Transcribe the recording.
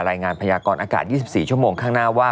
รายงานพยากรอากาศ๒๔ชั่วโมงข้างหน้าว่า